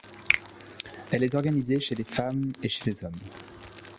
Elle est organisée chez les femmes et chez les hommes.